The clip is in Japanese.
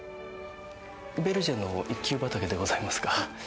ヴェルジェの１級畑でございますか。